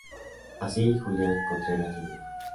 Así, Julián Contreras Jr.